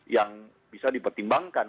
yang bisa dipertimbangkan